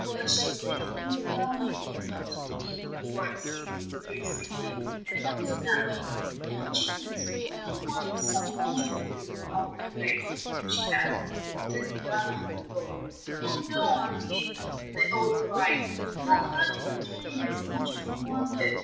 I shall take little Downy in the house with me, for I see he is very sleepy, and wants a nap. But, my chickens, don't you want some lunch before you go out to play?" she added, turning back from the door. "Oh! no, Auntie!" they all cried. "We had lunch in the train, as much as we wanted."